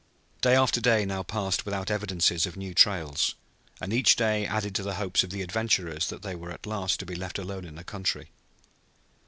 Day after day now passed without evidences of new trails, and each day added to the hopes of the adventurers that they were at last to be left alone in the country.